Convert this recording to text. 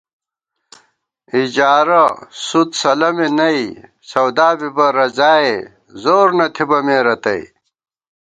اِجارہ ، سُود سلَمے نئ ، سَودا بِبہ رضائے ، زور نہ تھِبہ مے رتئ